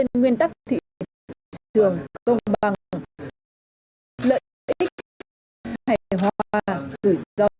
nguyên tắc thị trường công bằng lợi ích hệ hòa rủi ro chia sẻ